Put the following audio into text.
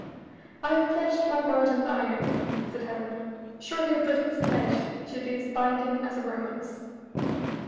"I have pledged my word and thine, O King," said Helena. "Surely a Briton's pledge should be as binding as a Roman's."